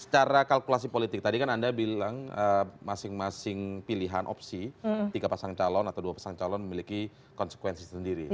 secara kalkulasi politik tadi kan anda bilang masing masing pilihan opsi tiga pasang calon atau dua pasang calon memiliki konsekuensi sendiri